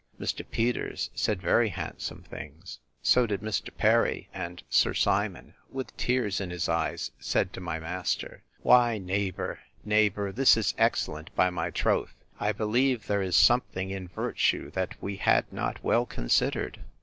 Mr. Peters said very handsome things; so did Mr. Perry and Sir Simon, with tears in his eyes, said to my master, Why, neighbour, neighbour, this is excellent, by my troth. I believe there is something in virtue, that we had not well considered.